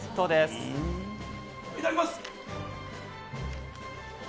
いただきます。